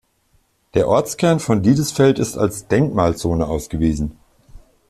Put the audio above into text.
Der Ortskern von Diedesfeld ist als Denkmalzone ausgewiesen.